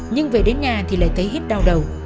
nhưng về đến nhà thì lại thấy hết đau đầu